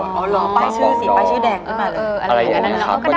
อ้อเหรอป้ายชื่อแดงด้วยมาเลย